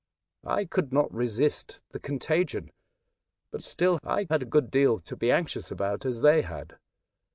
I could not resist the contagion ; but still I had a good deal to be anxious about, as they had.